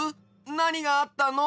なにがあったの？